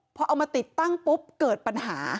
พอเอามาติดตั้งปุ๊บเกิดปัญหา